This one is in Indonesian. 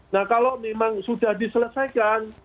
nah kalau memang sudah diselesaikan